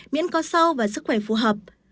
miễn có sâu và sức khỏe phù hợp